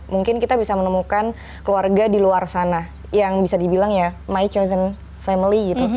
mungkin kita bisa menemukan keluarga di luar sana yang bisa dibilang ya my chozen family gitu